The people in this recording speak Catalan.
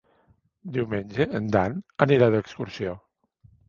Diumenge en Dan anirà d'excursió.